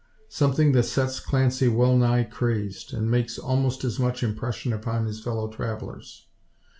Something that sets Clancy well nigh crazed, and makes almost as much impression upon his fellow travellers.